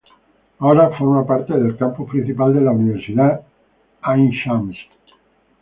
Ahora forma parte del campus principal de la Universidad Ain Shams.